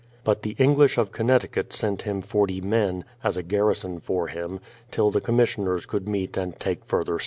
But the English of Connecticut sent him 40 men, as a garrison for him, till the commissioners could meet and take further steps.